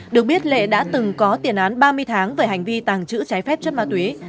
được biết lệ đã từng có tiền án ba mươi tháng về hành vi tàng trữ trái phép chất ma túy